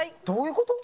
「どういう事？」